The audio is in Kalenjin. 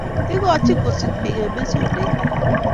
Igochi kosik bik eng' mesundeito